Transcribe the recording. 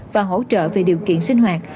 và hỗ trợ về điều kiện sinh hoạt